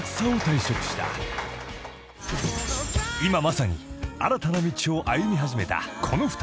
［今まさに新たな道を歩み始めたこの２人］